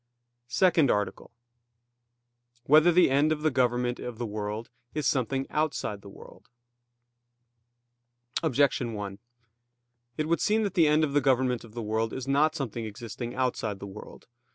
_______________________ SECOND ARTICLE [I, Q. 103, Art. 2] Whether the End of the Government of the World Is Something Outside the World? Objection 1: It would seem that the end of the government of the world is not something existing outside the world.